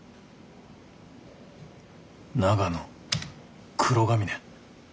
長野黒ヶ峰。